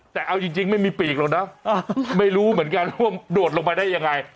แต่เอาจริงไม่มีปีกหรอกนะไม่รู้เหมือนกันว่าโดดลงมาได้ยังไง